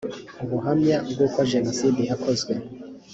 ubuhamya bw uko jenoside yakozwe